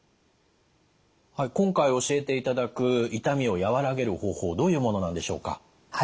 今回教えていただく痛みを和らげる方法どういうものなんでしょうか？